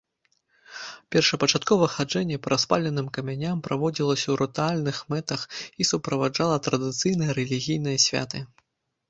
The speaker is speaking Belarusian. Першапачаткова хаджэнне па распаленым камяням праводзілася ў рытуальных мэтах і суправаджала традыцыйныя рэлігійныя святы.